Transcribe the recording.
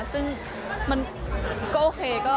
ซึ่งมันก็โอเค